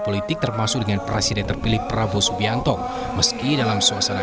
politik termasuk dengan presiden terpilih prabowo subianto meski dalam suasana